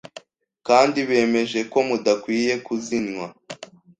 kandi bemeje ko mudakwiye kuzinywa